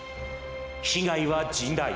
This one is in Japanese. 被害は甚大。